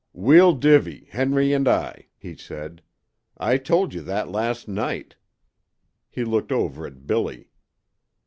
"We'll divvy, Henry and I," he said. "I told you that last night." He looked over at Billy.